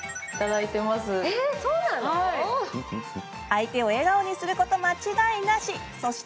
相手を笑顔にすること間違いなし。